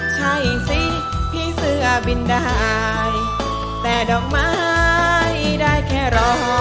ใช่สิพี่เสื้อบินได้แต่ดอกไม้ได้แค่รอ